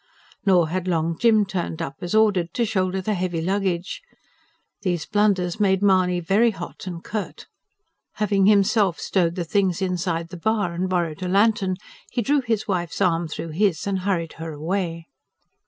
Nor had Long Jim turned up as ordered, to shoulder the heavy luggage. These blunders made Mahony very hot and curt. Having himself stowed the things inside the bar and borrowed a lantern, he drew his wife's arm through his, and hurried her away.